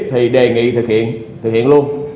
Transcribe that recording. thì đề nghị thực hiện thực hiện luôn